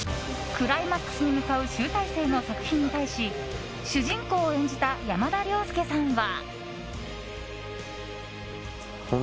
クライマックスに向かう集大成の作品に対し主人公を演じた山田涼介さんは。